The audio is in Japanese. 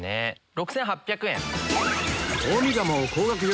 ６８００円。